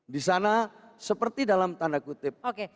disana seperti dalam tanda kutip serba tidak ada